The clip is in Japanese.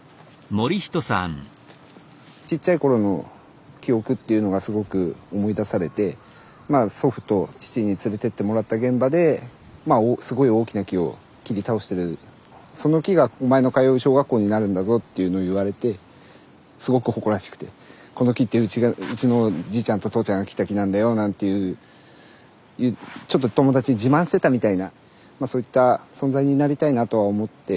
ちっちゃい頃の記憶っていうのがすごく思い出されて祖父と父に連れてってもらった現場ですごい大きな木を切り倒してる「その木がお前の通う小学校になるんだぞ」っていうのを言われてすごく誇らしくてこの木ってうちのじいちゃんと父ちゃんが切った木なんだよなんていうちょっと友達に自慢してたみたいなそういった存在になりたいなとは思って。